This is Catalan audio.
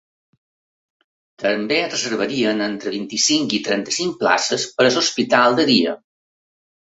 També es reservarien entre vint-i-cinc i trenta-cinc places per a l’hospital de dia.